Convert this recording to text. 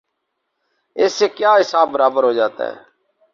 اس سے کیا حساب برابر ہو جاتا ہے؟